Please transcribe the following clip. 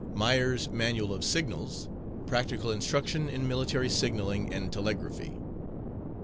Myer's Manual of Signals. Practical Instruction in Military Signaling and Telegraphy.